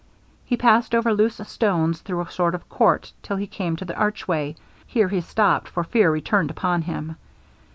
He passed over loose stones through a sort of court till he came to the archway; here he stopped, for fear returned upon him.